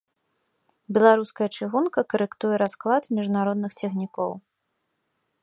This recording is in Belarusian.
Беларуская чыгунка карэктуе расклад міжнародных цягнікоў.